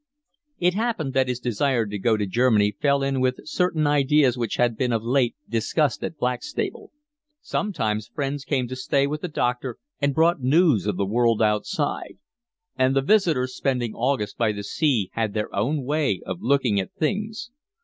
It happened that his desire to go to Germany fell in with certain ideas which had been of late discussed at Blackstable. Sometimes friends came to stay with the doctor and brought news of the world outside; and the visitors spending August by the sea had their own way of looking at things.